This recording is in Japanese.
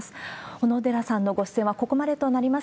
小野寺さんのご出演はここまでとなります。